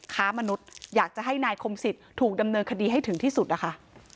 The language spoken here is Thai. ค้ามนุษย์อยากจะให้นายคมสิทธิ์ถูกดำเนินคดีให้ถึงที่สุดนะคะ